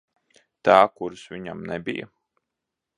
Tā, kuras viņam nebija?